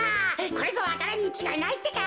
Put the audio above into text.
これぞわか蘭にちがいないってか。